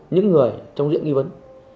những người trong diễn nghi vấn